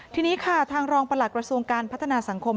ทีนี้ค่ะทางรองประหลักกระทรวงการพัฒนาสังคม